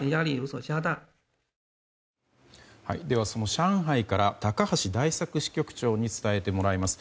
上海から高橋大作市局長に伝えてもらいます。